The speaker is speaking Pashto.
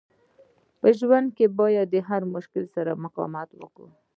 په ژوند کښي باید د هر مشکل سره مقاومت وکو.